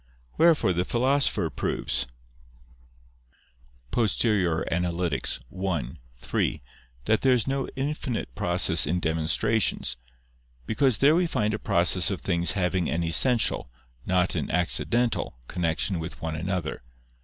Wherefore the Philosopher proves (Poster. i, 3) that there is no infinite process in demonstrations, because there we find a process of things having an essential, not an accidental, connection with one another.